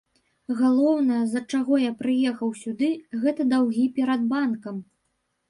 Галоўнае, з-за чаго я прыехаў сюды, гэта даўгі перад банкам.